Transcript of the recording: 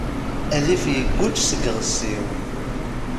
Adif yegguğ seg yiɣes-iw.